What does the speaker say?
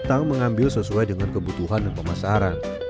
yang menyingkiri penerbangan dengan pasir